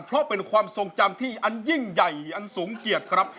เพราะเป็นความทรงจำที่อันยิ่งใหญ่อันสูงเกียรติครับ